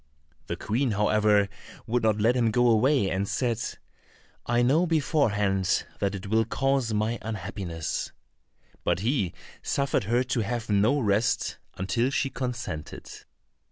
The Queen, however, would not let him go away, and said, "I know beforehand that it will cause my unhappiness;" but he suffered her to have no rest until she consented.